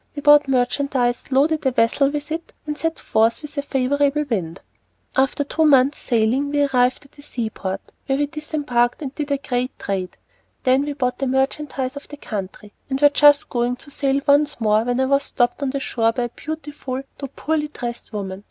We bought merchandise, loaded a vessel with it, and set forth with a favorable wind. After two months' sailing we arrived at a seaport, where we disembarked and did a great trade. Then we bought the merchandise of the country, and were just going to sail once more, when I was stopped on the shore by a beautiful though poorly dressed woman.